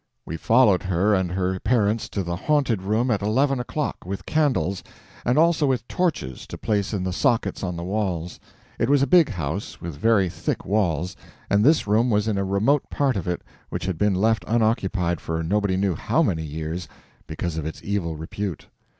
We followed her and her parents to the haunted room at eleven o'clock, with candles, and also with torches to place in the sockets on the walls. It was a big house, with very thick walls, and this room was in a remote part of it which had been left unoccupied for nobody knew how many years, because of its evil repute.